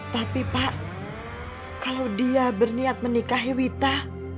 tapi pak kalau dia berniat menikahi wita